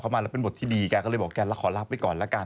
ก็แม่มันเป็นตัวแบบแม่มันสูงนะ